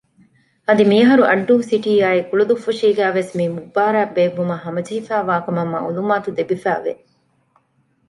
އަދި މިއަހަރު އައްޑޫ ސިޓީއާއި ކުޅުދުއްފުށީގައި ވެސް މި މުބާރާތް ބޭއްވުމަށް ހަމަޖެހިފައިވާކަމަށް މައުލޫމާތު ލިބިފައިވެ